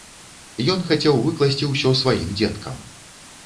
Ён хацеў выкласці ўсё сваім дзеткам.